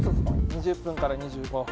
２０分から２５分。